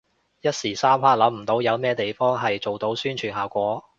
一時三刻諗唔到有咩地方係做到宣傳效果